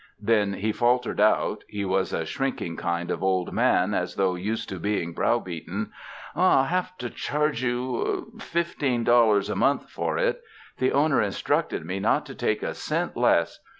Then he faltered out— he was a shrinking kind of old man, as though used to being browbeaten — ''I'll have to charge you fifteen dollars a month for it. The owner instructed me not to take a cent less.